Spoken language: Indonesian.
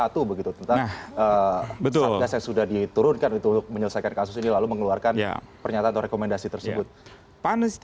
tentang satgas yang sudah diturunkan untuk menyelesaikan kasus ini lalu mengeluarkan pernyataan atau rekomendasi tersebut